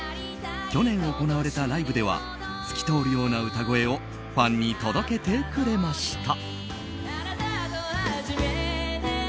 去年行われたライブでは透き通るような歌声をファンに届けてくれました。